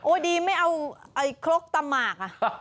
โอ้ยดีไม่เอาไอ้ครกตำหมากอะ